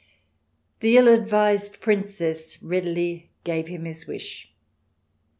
The ill advised Princess readily gave him his wish.